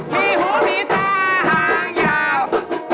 มีหูมีตาห่างยาว